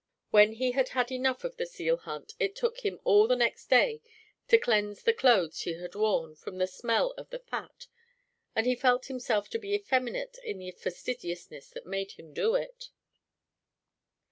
When he had had enough of the seal hunt it took him all the next day to cleanse the clothes he had worn from the smell of the fat, and he felt himself to be effeminate in the fastidiousness that made him do it.